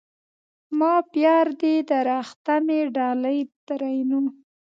ما پيار دي درخته مي ډالی؛ ترينو